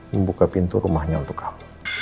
membuka pintu rumahnya untuk kamu